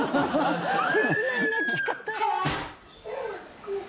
切ない泣き方。